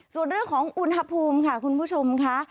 ส่วนเรื่องของอุณหภูมิค่ะคุณผู้ชมค่ะ